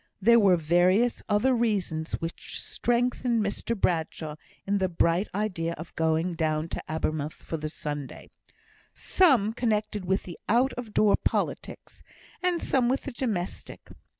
There were various other reasons, which strengthened Mr Bradshaw in the bright idea of going down to Abermouth for the Sunday; some connected with the out of door politics, and some with the domestic.